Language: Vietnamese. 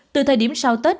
từ thời điểm sau tết